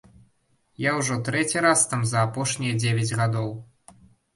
Я ўжо трэці раз там за апошнія дзевяць гадоў.